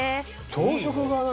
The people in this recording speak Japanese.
朝食が何？